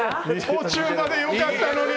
途中まで良かったのに！